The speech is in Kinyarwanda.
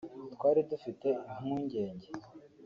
twari dufite impungenge